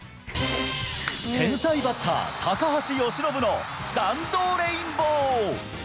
天才バッター、高橋由伸の弾道レインボー。